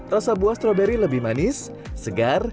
rasa buah stroberi lebih manis segar